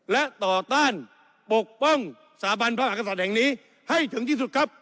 และต่อต้านปกป้องสถาบันพระมหากษัตริย์แห่งนี้ให้ถึงที่สุดครับ